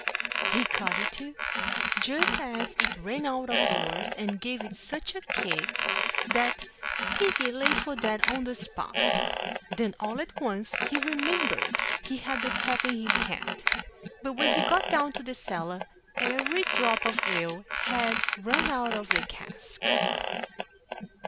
He caught it, too, just as it ran out of doors, and gave it such a kick, that piggy lay for dead on the spot. Then all at once he remembered he had the tap in his hand; but when he got down to the cellar, every drop of ale had run out of the cask.